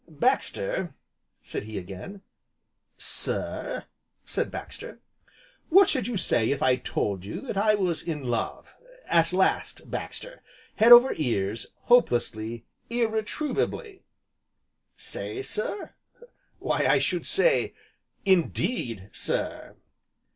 "Baxter," said he again. "Sir?" said Baxter. "What should you say if I told you that I was in love at last, Baxter! Head over ears hopelessly irretrievably?" "Say, sir? why I should say, indeed, sir?"